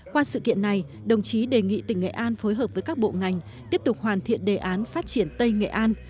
qua sự kiện này đồng chí đề nghị tỉnh nghệ an phối hợp với các bộ ngành tiếp tục hoàn thiện đề án phát triển tây nghệ an